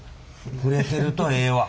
触れてるとええわ。